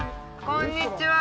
こんにちは。